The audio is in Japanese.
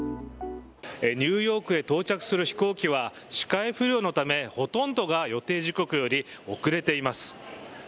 ニューヨークへ到着する飛行機は視界不良のためほとんどが予定時刻より遅れています。